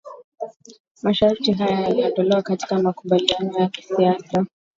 masharti haya yaliondolewa katika makubaliano ya kisiasa